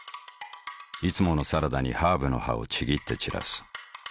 いつものサラダにハーブの葉をちぎって散らす。